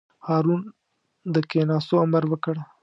هارون د کېناستو امر وکړ.